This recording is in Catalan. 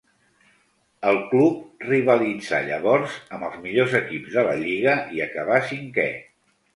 El club rivalitzà llavors amb els millors equips de la lliga i acabà cinquè.